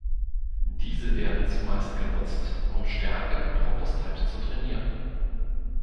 Diese werden zumeist genutzt, um Stärke und Robustheit zu trainieren.